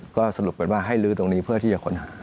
ก็สรุปกันว่าให้ลื้อตรงนี้เพื่อที่จะค้นหา